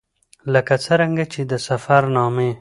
ـ لکه څرنګه چې د سفر نامې